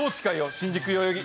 新宿代々木。